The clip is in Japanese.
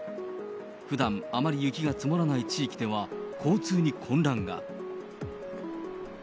ふだん、あまり雪が積もらない地域では、交通に混乱が。